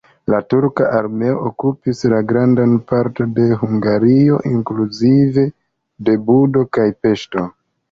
La turka armeo okupis grandan parton de Hungario inkluzive de Budo kaj Peŝto.